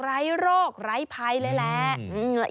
ไร้โรคไร้ภัยแหละ